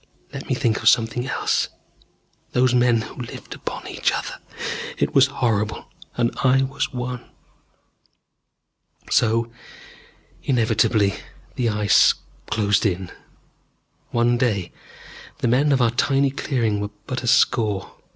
Let me think of something else. Those men who lived upon each other it was horrible. And I was one. So inevitably the Ice closed in.... One day the men of our tiny clearing were but a score.